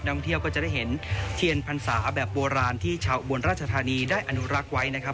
ท่องเที่ยวก็จะได้เห็นเทียนพรรษาแบบโบราณที่ชาวอุบลราชธานีได้อนุรักษ์ไว้นะครับ